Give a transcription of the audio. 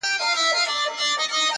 ه ستا د سترگو احترام نه دی، نو څه دی.